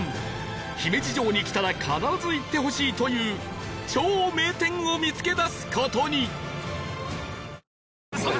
姫路城に来たら必ず行ってほしいという超名店を見つけ出す事に